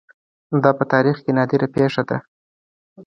دا په تاریخ کې نادره پېښه ده